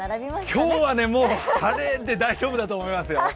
今日は晴れで大丈夫だと思いますよ。